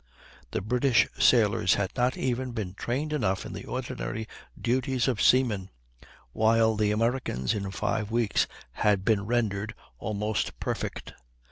The British sailors had not even been trained enough in the ordinary duties of seamen; while the Americans in five weeks had been rendered almost perfect.